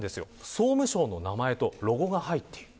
総務省の名前とロゴが入っている。